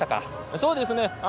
そうですね。